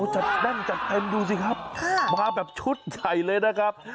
โหดั้งจัดเท็นดูสิครับป้ามาแบบชุดใจเลยนะครับ